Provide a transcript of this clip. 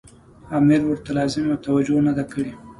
امیر ورته لازمه توجه نه ده کړې.